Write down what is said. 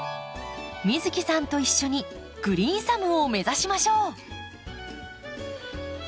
美月さんと一緒にグリーンサムを目指しましょう。